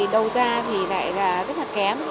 đầu gia thì lại rất là kém